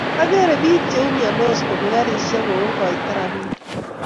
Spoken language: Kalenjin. agere piik che umiandos komi garishek ko koitoi rabinik